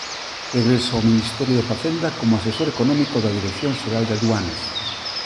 Regresa ao Ministerio de Facenda como Asesor Económico da Dirección Xeral de Aduanas.